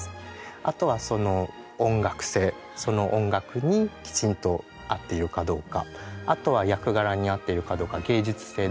あとは音楽性その音楽にきちんと合っているかどうかあとは役柄に合っているかどうか芸術性ですね